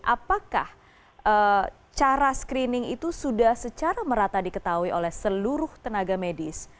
apakah cara screening itu sudah secara merata diketahui oleh seluruh tenaga medis